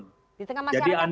di tengah masyarakat itu gimana